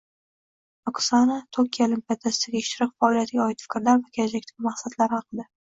Oksana Tokio Olimpiadasidagi ishtirok, faoliyatiga oid fikrlar va kelajakdagi maqsadlari haqida